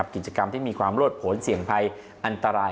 กิจกรรมที่มีความรวดผลเสี่ยงภัยอันตราย